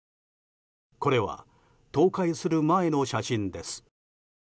これは倒壊する前の写真です。